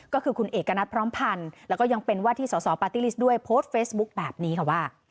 ก็คือคุณเอกณัฐพร้อมพันธ์แล้วก็ยังเป็นว่าที่สอสอปาร์ตี้ลิสต์ด้วยโพสต์เฟซบุ๊คแบบนี้ค่ะว่า